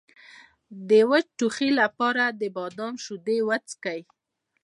د وچ ټوخي لپاره د بادام شیدې وڅښئ